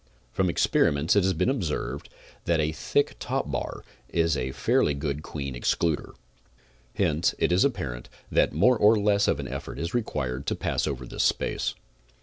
From experiments it has been observed that a thick top bar is a fairly good queen excluder. Hence it is apparent that more or less of an effort is required to pass over this space.